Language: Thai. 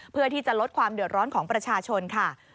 เพื่อที่จะลดความเดือดร้อนของประชาชนค่ะ